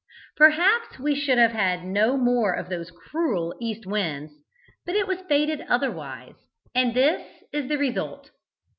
Perhaps we should have had no more of those cruel east winds. But it was fated otherwise, and this is the result.